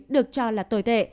được cho là tồi tệ